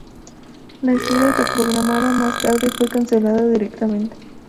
La gira reprogramada más tarde fue cancelada directamente.